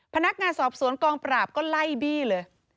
พนักงานสอบสวนกองปราบก็ไล่บี้เลย